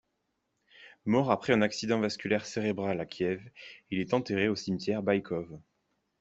Mort après un accident vasculaire cérébral à Kiev, il est enterré au cimetière Baïkove.